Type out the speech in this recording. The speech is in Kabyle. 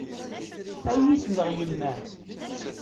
Ad iyi-tneɣ yemma-m.